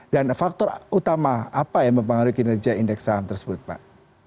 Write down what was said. dan faktor utama apa yang mempengaruhi kinerja indeks saham tersebut pak